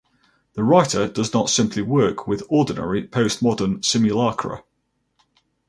The writer does not simply work with "ordinary" postmodern simulacra.